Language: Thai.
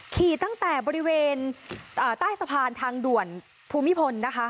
ขี่ตั้งแต่บริเวณใต้สะพานทางด่วนภูมิพลนะคะ